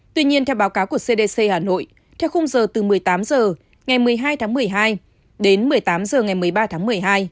tuy nhiên theo báo cáo của cdc hà nội theo khung giờ từ một mươi tám h ngày một mươi hai tháng một mươi hai đến một mươi tám h ngày một mươi ba tháng một mươi hai